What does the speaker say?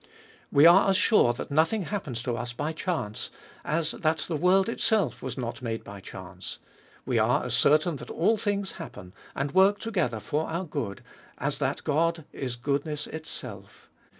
We are as sure that nothing happens to us by chance, as that the world itself was not made by chance; we are as certain that all things happen and DfiVOUT AND HOLY LiPE. S23 work together for our good, as that God is goodness itself.